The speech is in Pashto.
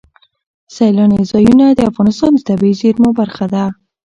سیلانی ځایونه د افغانستان د طبیعي زیرمو برخه ده.